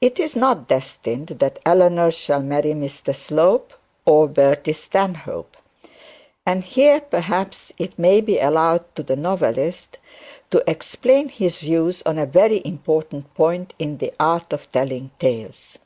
It is not destined that Eleanor shall marry Mr Slope or Bertie Stanhope. And here, perhaps, it may be allowed to the novelist to explain his views on a very important point in the art of telling tales.